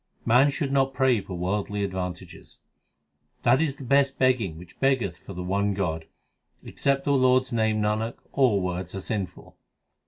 Man should not pray for worldly advantages : That is the best begging which beggeth for the one God ; Except the Lord s name, Nanak, all words are sinful.